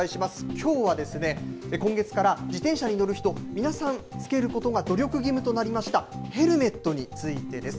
きょうはですね、今月から自転車に乗る人、皆さん、つけることが努力義務となりました、ヘルメットについてです。